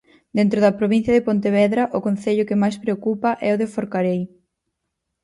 Dentro da provincia de Pontevedra, o concello que máis preocupa é o de Forcarei.